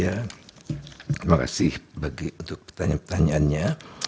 terima kasih untuk pertanyaan pertanyaannya